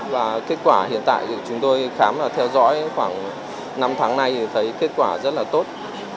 và kết quả hiện tại thì chúng tôi khám và theo dõi khoảng năm tháng nay thì thấy kết quả rất là tốt